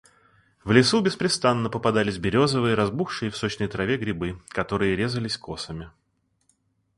В лесу беспрестанно попадались березовые, разбухшие в сочной траве грибы, которые резались косами.